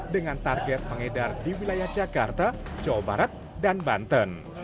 dengan target pengedar di wilayah jakarta jawa barat dan banten